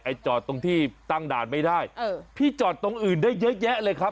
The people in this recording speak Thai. จอดตรงที่ตั้งด่านไม่ได้เออพี่จอดตรงอื่นได้เยอะแยะเลยครับ